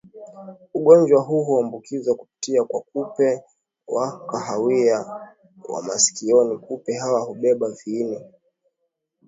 Ugonjwa huu huambukizwa kupitia kwa kupe wa kahawia wa masikioni Kupe hawa hubeba viini